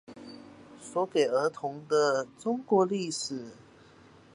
說給兒童的中國歷史